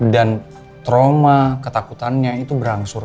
dan trauma ketakutannya itu berangsur